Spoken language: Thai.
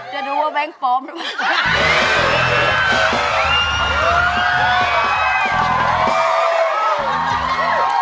จะดูว่าแบงค์ปลอมหรือเปล่า